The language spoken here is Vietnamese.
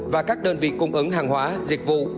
và các đơn vị cung ứng hàng hóa dịch vụ